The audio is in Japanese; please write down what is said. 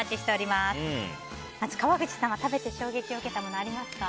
まず川口さんが食べて衝撃を受けたものありますか？